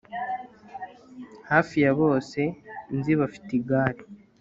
Hafi ya bose nzi bafite igare